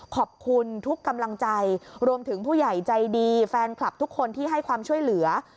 ขอบคุณทุกกำลังใจรวมถึงผู้ใหญ่ใจดีแฟนคลับทุกคนที่ให้ความช่วยเหลือ